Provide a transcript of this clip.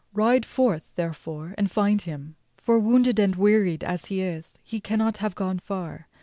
Ride forth, therefore, and find him; for wounded and wearied as he is, he cannot have gone far.